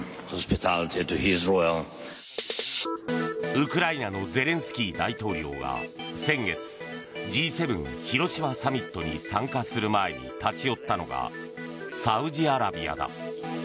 ウクライナのゼレンスキー大統領が先月、Ｇ７広島サミットに参加する前に立ち寄ったのがサウジアラビアだ。